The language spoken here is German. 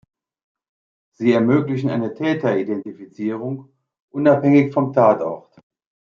Sie ermöglichen eine Täteridentifizierung unabhängig vom Tatort.